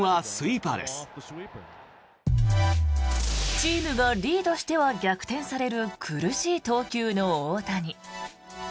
チームがリードしては逆転される苦しい投球の大谷。